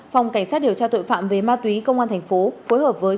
phòng cảnh sát điều tra tội phạm về ma túy công an tp hcm phối hợp với